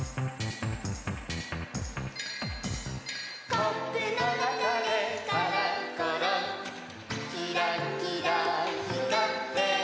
「コップのなかでカランコロン」「キランキランひかって」